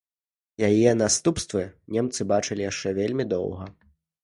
Яе наступствы немцы бачылі яшчэ вельмі доўга.